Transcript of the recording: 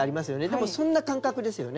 でもそんな感覚ですよね。